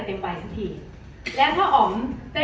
อ๋อแต่มีอีกอย่างนึงค่ะ